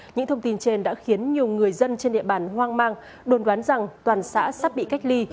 những thông tin trên đã khiến nhiều người dân trên địa bàn hoang mang đồn đoán rằng toàn xã sắp bị cách ly